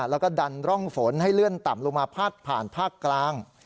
แล้วก็ดันร่องฝนให้เลื่อนต่ำลงมาพาดผ่านภาคกลาง